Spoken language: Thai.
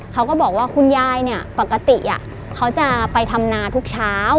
เขาก็บอกว่าคุณยายเนี่ยปกติเขาจะไปทำนาทุกเช้า